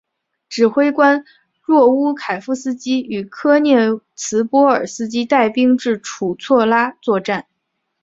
指挥官若乌凯夫斯基与科涅茨波尔斯基带兵至楚措拉作战。